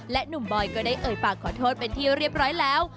หนุ่มบอยก็ได้เอ่ยปากขอโทษเป็นที่เรียบร้อยแล้ว